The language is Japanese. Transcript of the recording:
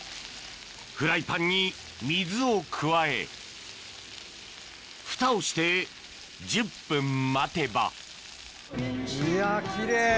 フライパンに水を加えふたをして１０分待てばいや奇麗。